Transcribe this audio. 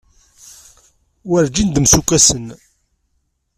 Werǧin d-msukkasen.